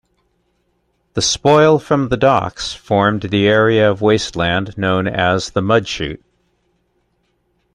The spoil from the docks formed the area of wasteland known as the Mudchute.